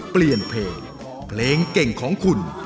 เปลี่ยนเพลงเพลงเก่งของคุณ